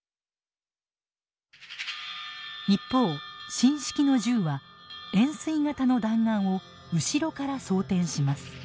一方新式の銃は円すい形の弾丸を後ろから装填します。